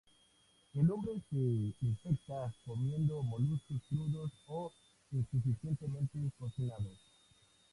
El hombre se infecta comiendo moluscos crudos o insuficientemente cocinados.